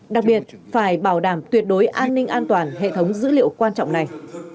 đặc biệt phải bảo đảm tuyệt đối an ninh an toàn hệ thống dữ liệu quan trọng này